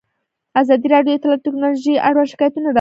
ازادي راډیو د اطلاعاتی تکنالوژي اړوند شکایتونه راپور کړي.